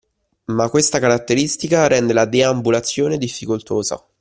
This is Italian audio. Ma questa caratteristica rende la deambulazione difficoltosa.